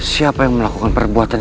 siapa yang melakukan perbuatan